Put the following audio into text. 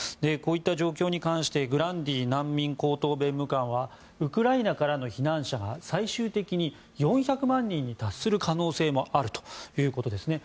こういった状況に関してグランディ難民高等弁務官はウクライナからの避難者が最終的に４００万人に達する可能性もあるということです。